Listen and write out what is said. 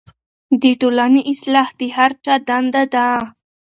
د ټولنې اصلاح د هر چا دنده ده.